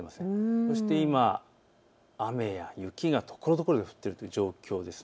そして今、雨や雪がところどころ降っているという状況です。